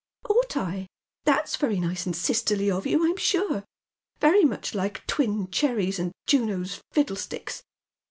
" Ought I ? That's very nice and sisterly of you, Pm sure. Veiy much like twin cherries and Juno's fiddlesticks.